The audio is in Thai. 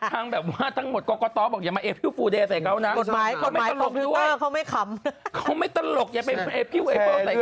ประมาณถ้าพี่แมี่วข่าวขึ้นก็ไม่ใช่พี่แมี่วแล้ว